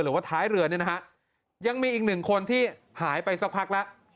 หรือว่าท้ายเรือเนี่ยนะฮะยังมีอีกหนึ่งคนที่หายไปสักพักแล้ว